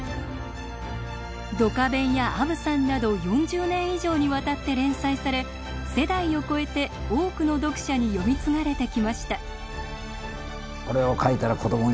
「ドカベン」や「あぶさん」など４０年以上にわたって連載され世代を超えて多くの読者に読み継がれてきました。